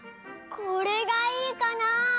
これがいいかな？